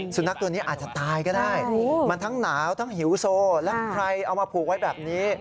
สุนัขตัวนี้อาจจะตายก็ได้มันทั้งหนาวทั้งหิวโซและใครเอามาผูกไว้แบบนี้